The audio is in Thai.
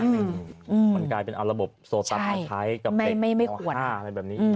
มันกลายเป็นระบบโซตัพใช้กับเป็นอาหารแบบนี้